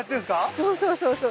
そうそうそうそう。